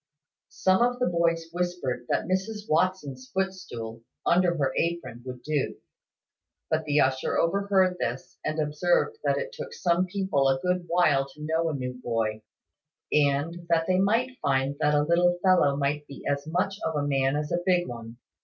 Some of the boys whispered that Mrs Watson's footstool, under her apron, would do: but the usher overheard this, and observed that it took some people a good while to know a new boy; and that they might find that a little fellow might be as much of a man as a big one.